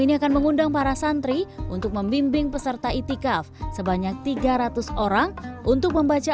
ini akan mengundang para santri untuk membimbing peserta itikaf sebanyak tiga ratus orang untuk membaca